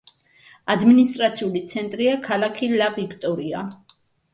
ადმინისტრაციული ცენტრია ქალაქი ლა-ვიქტორია.